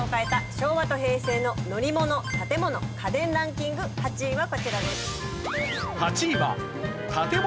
昭和と平成の乗り物・建物・家電ランキング８位はこちらです。